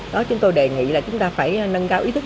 đó chúng tôi đề nghị là chúng ta phải nâng cao ý thức